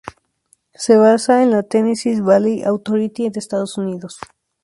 Se basa en la Tennessee Valley Authority de Estados Unidos.